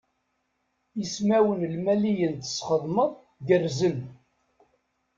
Ismawen Imaliyen tesxedmeḍ gerrzen.